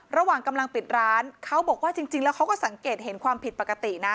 ระหว่างกำลังปิดร้านเขาบอกว่าจริงแล้วเขาก็สังเกตเห็นความผิดปกตินะ